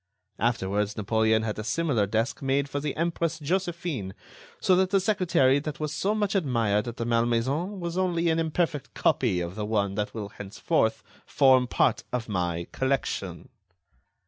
Afterwards, Napoleon had a similar desk made for the Empress Josephine; so that the secretary that was so much admired at the Malmaison was only an imperfect copy of the one that will henceforth form part of my collection."